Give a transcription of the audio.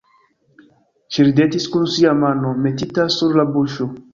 Ŝi ridetis kun sia mano metita sur la buŝo.